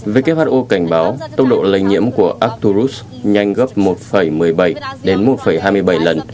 với kế hoạch who cảnh báo tốc độ lây nhiễm của atarus nhanh gấp một một mươi bảy đến một hai mươi bảy lần